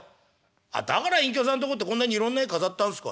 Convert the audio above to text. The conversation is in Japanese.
「あっだから隠居さんとこってこんなにいろんな絵飾ってあんすか。